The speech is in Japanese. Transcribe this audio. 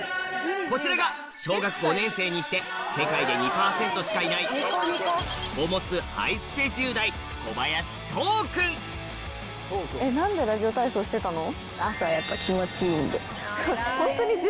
こちらが小学５年生にして世界で２％しかいない「？？？」を持つハイスペ１０代何でラジオ体操してたの？